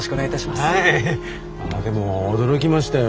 でも驚きましたよ。